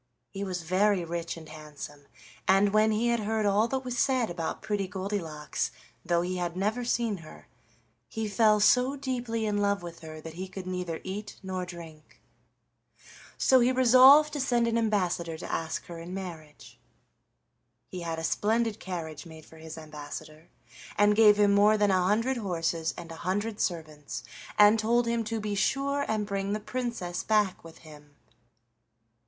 He was very rich and handsome, and when he heard all that was said about Pretty Goldilocks, though he had never seen her, he fell so deeply in love with her that he could neither eat nor drink. So he resolved to send an ambassador to ask her in marriage. He had a splendid carriage made for his ambassador, and gave him more than a hundred horses and a hundred servants, and told him to be sure and bring the Princess back with him.